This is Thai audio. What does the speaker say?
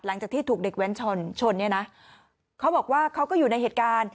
หลังจากที่ถูกเด็กแว้นชนชนเนี่ยนะเขาบอกว่าเขาก็อยู่ในเหตุการณ์